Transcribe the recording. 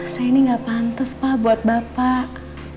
saya ini gak pantes pak buat bapak